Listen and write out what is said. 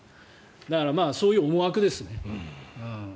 だから、そういう思惑ですね。